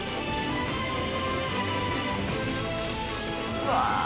うわ。